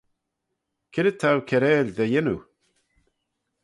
C'red t'ou kiarail dy yannoo?